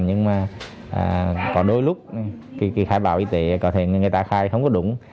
nhưng mà có đôi lúc cái khai báo y tế có thể người ta khai không có đúng